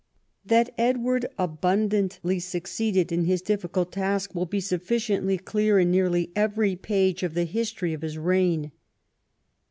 That Edward abundantly suc ceeded in his difficult task will be sufficiently clear in nearly every page of the history of his reign.